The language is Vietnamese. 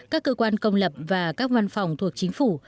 các cơ quan công lập và các văn phòng thuộc chính phủ